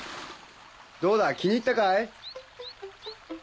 どうだ気に入ったかい？